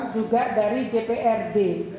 juga dari jprd